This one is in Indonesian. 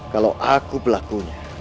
kalau aku berlakunya